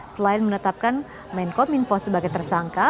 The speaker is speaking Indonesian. selain menetapkan menko minfo sebagai tersangka